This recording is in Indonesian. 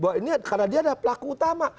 karena dia ada pelaku utama